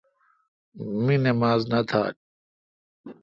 می نماز نہ تھال۔